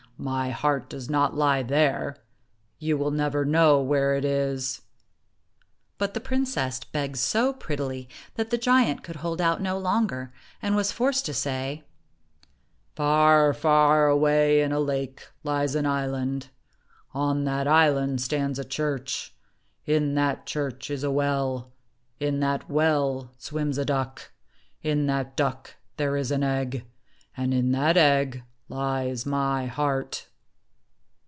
" My heart does not lie there. You will never know where it is." But the princess begged so prettily that the giant could hold out no longer, and was forced to say, "Far, far away in a lake lies an island; on that island stands a church ; in that church is a well; in that well swims a duck; in that duck there is an egg; and in that egg lies my heart."